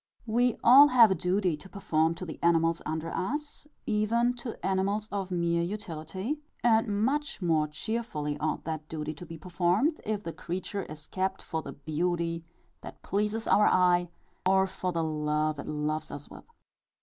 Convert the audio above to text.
We all have a duty to perform to the animals under us, even to animals of mere utility; and much more cheerfully ought that duty to be performed, if the creature is kept for the beauty that pleases our eye, or for the love it loves us with.